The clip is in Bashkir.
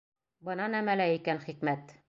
Бына нәмәлә икән хикмәт.